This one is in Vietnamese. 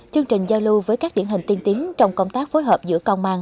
chương trình giao lưu với các điển hình tiên tiến trong công tác phối hợp giữa công an